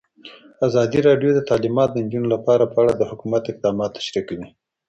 ازادي راډیو د تعلیمات د نجونو لپاره په اړه د حکومت اقدامات تشریح کړي.